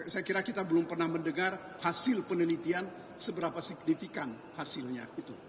saya kira kita belum pernah mendengar hasil penelitian seberapa signifikan hasilnya